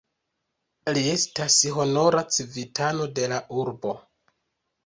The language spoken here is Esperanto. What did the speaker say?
Li estas honora civitano de la urbo.